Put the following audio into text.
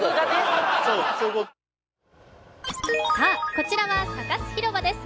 こちらはサカス広場です。